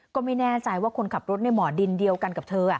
ก็ไม่แน่ใจว่าคนขับรถในบ่อดินเดียวกันกับเธอ